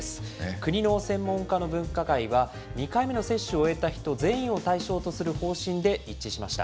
国の専門家の分科会は、２回目の接種を終えた人全員を対象とする方針で一致しました。